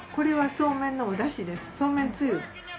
そうめんつゆ。